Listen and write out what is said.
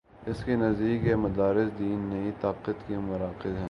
اس کے نزدیک یہ مدارس دین نہیں، طاقت کے مراکز ہیں۔